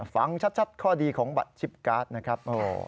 ฟังชัดข้อดีของบัตรชิปการ์ดนะครับ